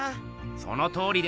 そのとおりです。